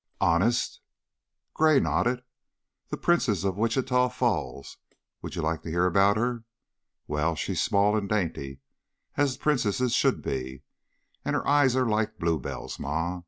"Honest?" Gray nodded. "The Princess of Wichita Falls. Would you like to hear about her? Well, she's small and dainty, as princesses should be, and her eyes are like bluebells, Ma.